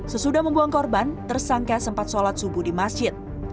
sesudah membuang korban tersangka sempat sholat subuh di masjid